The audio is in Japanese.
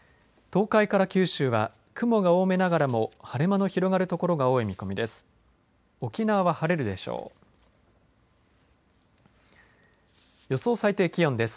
東海から九州は雲が多めながらも晴れ間の広がる所が多い見込みです。